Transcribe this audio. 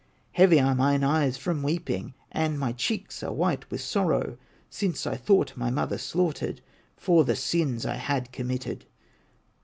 Heavy are mine eyes from weeping, And my cheeks are white with sorrow, Since I thought my mother slaughtered For the sins I had committed!"